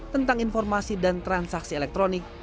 tentang informasi dan transaksi elektronik